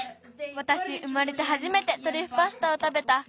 わたし生まれてはじめてトリュフパスタをたべた。